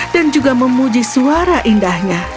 dan juga memuji suara indahnya